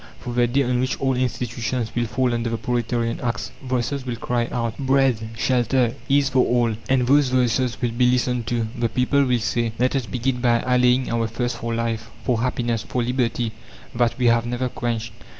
For the day on which old institutions will fall under the proletarian axe, voices will cry out: "Bread, shelter, ease for all!" And those voices will be listened to; the people will say: "Let us begin by allaying our thirst for life, for happiness, for liberty, that we have never quenched.